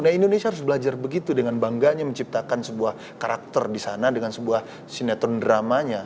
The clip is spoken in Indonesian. nah indonesia harus belajar begitu dengan bangganya menciptakan sebuah karakter di sana dengan sebuah sinetron dramanya